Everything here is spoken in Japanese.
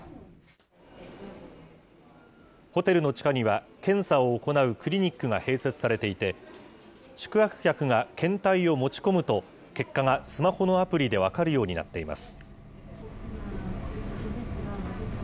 ホテルの地下には検査を行うクリニックが併設されていて、宿泊客が検体を持ち込むと、結果がスマホのアプリで分かるようになっています。